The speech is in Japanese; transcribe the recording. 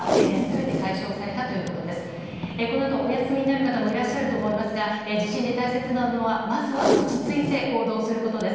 このあとお休みになる方もいらっしゃるかと思いますが地震で大切なのは、まずは落ち着いて行動することです。